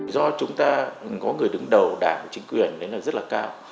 do chúng ta có người đứng đầu đảng chính quyền rất là cao